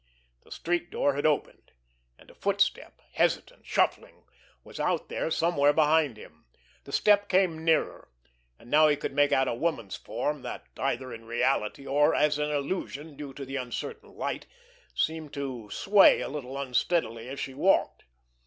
The street door had opened, and a footstep, hesitant, scuffling, was out there somewhere behind him. The step came nearer, and now he could make out a woman's form, that, either in reality or as an illusion due to the uncertain light, seemed to sway a little unsteadily as she walked.